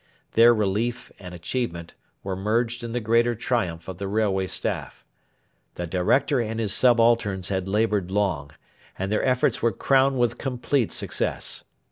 Their relief and achievement were merged in the greater triumph of the Railway Staff. The director and his subalterns had laboured long, and their efforts were crowned with complete success.